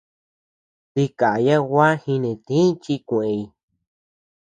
Dikaya gua jinetïñ chi kuëñ.